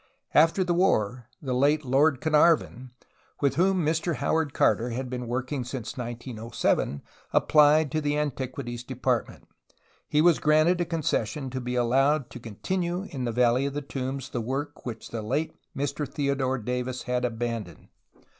After the war the late Lord Carnarvon, with whom JNIr Howard Carter had been working since 1907, applied to the Antiquities Department, and THE THE BAN TOMBS 29 Avas granted a concession to be allowed to continue in the Valley of the Tombs the work which the late ]Mr Theodore Davis had abandoned.